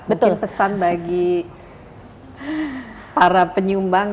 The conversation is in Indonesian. mungkin pesan bagi para penyumbang